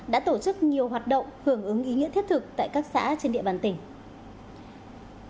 đã tổ chức nhiều hoạt động hưởng ứng ý nghĩa thiết thực tại các xã trên địa bàn tỉnh